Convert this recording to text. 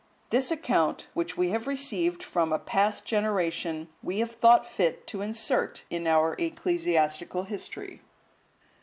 This account, which we have received from a past generation, we have thought fit to insert in our Ecclesiastical History.